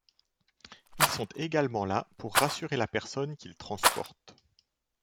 Ils sont également là pour rassurer la personne qu'ils transportent.